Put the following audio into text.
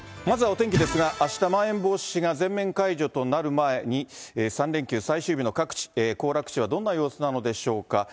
まずはお天気ですが、あした、まん延防止が全面解除となる前に、３連休最終日の各地、行楽地はどんな様子なんでしょうか。